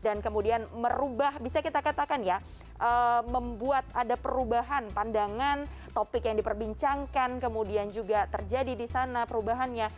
dan kemudian merubah bisa kita katakan ya membuat ada perubahan pandangan topik yang diperbincangkan kemudian juga terjadi di sana perubahannya